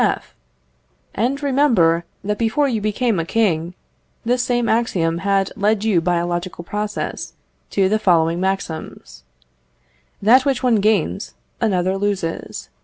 F. And, remember, that before you became a king, this same axiom had led you by a logical process to the following maxims: That which one gains, another loses.